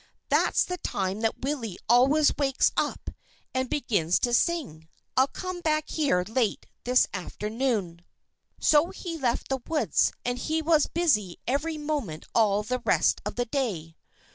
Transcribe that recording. "That's the time that Willie always wakes up and begins to sing.... I'll come back here late this afternoon." So he left the woods; and he was busy every moment all the rest of the day.